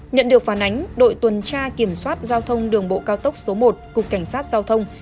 nhận được phản ánh đội tuần tra kiểm soát giao thông đường bộ cao tốc số một cục cảnh sát giao thông